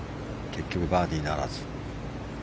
結局バーディーならず。